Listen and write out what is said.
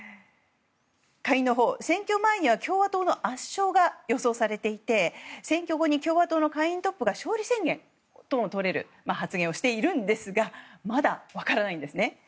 下院のほう、選挙前には共和党の圧勝が予想されていて選挙後に共和党の下院トップが勝利宣言ともとれる発言をしているんですがまだ分からないんですね。